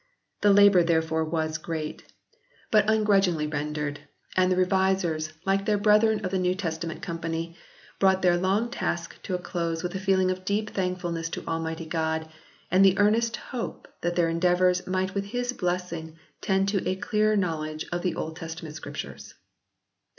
The labour therefore was great, but ungrudg B. 9 130 HISTORY OF THE ENGLISH BIBLE [OH. ingly rendered, and the revisers, like their brethren of the New Testament Company, brought their long task to a close with a feeling of deep thankfulness to Almighty God, and the earnest hope that their endeavours might with His blessing tend to a clearer knowledge of the Old Testament Scriptures.